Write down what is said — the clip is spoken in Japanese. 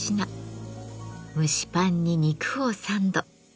蒸しパンに肉をサンド。